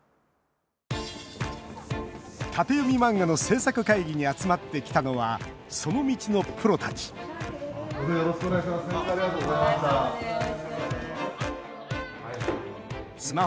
縦読み漫画の制作会議に集まってきたのはその道のプロたちお疲れさまです。